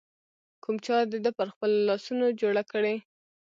کوم چا د ده پر خپلو لاسونو جوړه کړې